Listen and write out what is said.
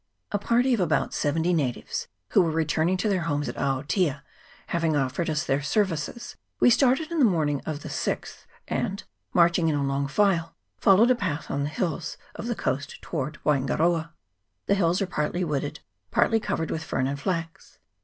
A party of about seventy natives, who were re turning to their homes at Aotea, having offered us their services, we started in the morning of the 6th, and, marching in a long file, followed a path on the hills of the coast towards Waingaroa. The hills are partly wooded, partly covered with fern and flax.